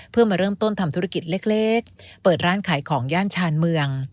เพื่อมาเริ่มต้นทำธุรกิจเล็กเปิดร้านขายของย่านชานเมือง